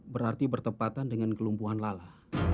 berarti bertepatan dengan kelumpuhan lala